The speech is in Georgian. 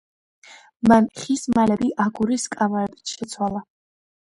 მან ხის მალები აგურის კამარებით შეცვალა.